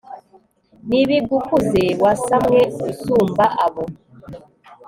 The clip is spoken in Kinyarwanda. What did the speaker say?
nibigukuze, wasamwe usumba abo